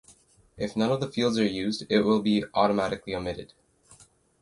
If none of the fields are used, it will be automatically omitted.